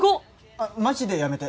あっマジでやめて！